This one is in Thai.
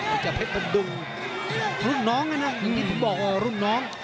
ไอ้เจ้าเพชรมันดุงรุ่นน้องนะน่ะอย่างที่ทุกคนบอกรุ่นน้อง